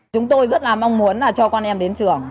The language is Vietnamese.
chúng tôi rất là mong muốn là cho con em đến trường